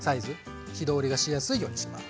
火通りがしやすいようにします。